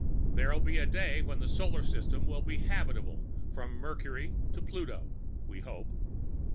There'll be a day when the solar system will be habitable from Mercury to Pluto we hope."